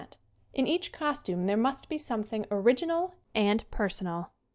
SCREEN ACTING 67 In each costume there must be something original and personal.